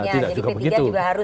jadi p tiga juga harus punya